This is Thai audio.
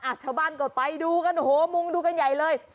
ชาวบ้านก็ไปดูกันโอ้โหมุงดูกันใหญ่เลย